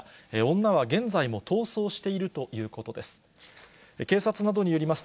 女は現在も逃走しているということです。